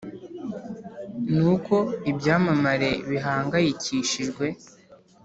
ni uko ibyamamare bihangayikishijwe